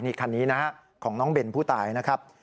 นี่คันนี้นะครับของน้องเบนผู้ตายนะครับ